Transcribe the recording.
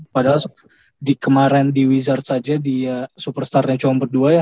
padahal kemarin di wizards aja dia superstar nya cuma berdua ya